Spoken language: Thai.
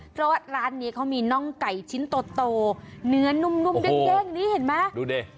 เพราะว่าร้านนี้เขามีน่องไก่ชิ้นโตเนื้อนุ่มเด้งนี้เห็นไหมดูดิ